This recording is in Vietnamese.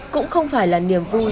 cũng không phải là niềm vui